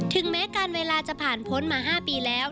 แม้การเวลาจะผ่านพ้นมา๕ปีแล้ว